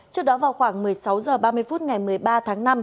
trước đó vào khoảng một mươi sáu h ba mươi phút ngày một mươi ba tháng năm